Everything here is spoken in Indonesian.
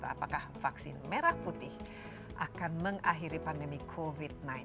apakah vaksin merah putih akan mengakhiri pandemi covid sembilan belas